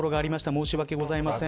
申し訳ございません。